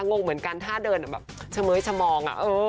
งงเหมือนกันถ้าเดินแบบชะเม้ยชะมองอะ